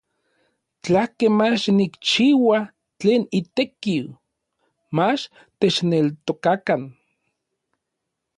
Tlakej mach nikchiua tlen itekiu, mach techneltokakan.